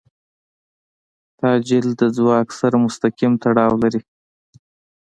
تعجیل د ځواک سره مستقیم تړاو لري.